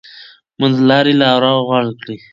منځلاري لار غوره کړئ.